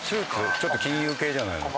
ちょっと金融系じゃないの？